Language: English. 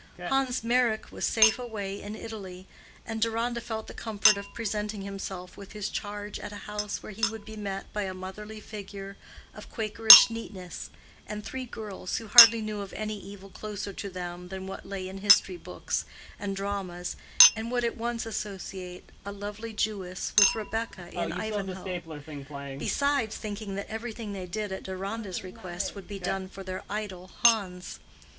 Hans Meyrick was safe away in Italy, and Deronda felt the comfort of presenting himself with his charge at a house where he would be met by a motherly figure of quakerish neatness, and three girls who hardly knew of any evil closer to them than what lay in history books, and dramas, and would at once associate a lovely Jewess with Rebecca in Ivanhoe, besides thinking that everything they did at Deronda's request would be done for their idol, Hans.